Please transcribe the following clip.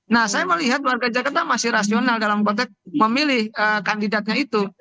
nah saya melihat warga jakarta masih rasional dalam konteks memilih kandidatnya itu